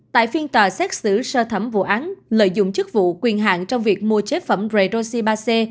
tại phiên tòa xét xử sơ thẩm vụ án lợi dụng chức vụ quyền hạn trong việc mua chế phẩm redoxi ba c